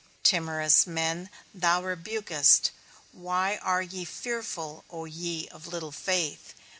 Timorous men thou rebukest: _Why are ye fearful, O ye of little faith?